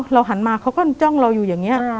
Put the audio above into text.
หันมาเขาก็จ้องเราอยู่อย่างนี้